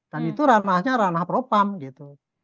dan itu ranahnya ranah propam gitu